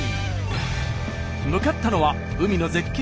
向かったのは海の絶景